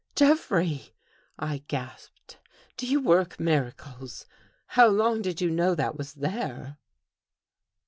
"Jeffrey," I gasped, "do you work miracles? How did you know that was there?